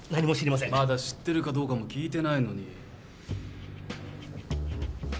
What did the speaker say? まだ知ってるかどうかも聞いてないのに。